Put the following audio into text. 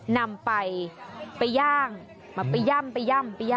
นำไปไปย่างมาไปย่ำไปย่ำ